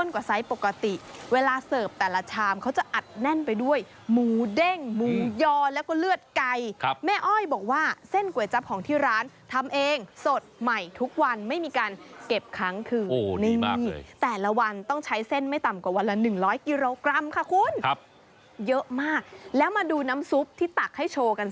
กิโลกรัมค่ะคุณครับเยอะมากแล้วมาดูน้ำซุปที่ตักให้โชว์กัน